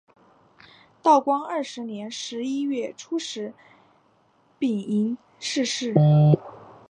道光二十年十一月初十丙寅逝世。